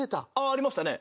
ありましたね。